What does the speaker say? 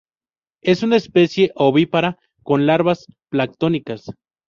Es una especie ovípara, con larvas planctónicas.